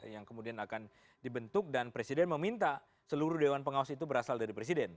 yang kemudian akan dibentuk dan presiden meminta seluruh dewan pengawas itu berasal dari presiden